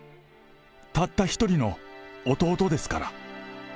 たった一人の弟ですから。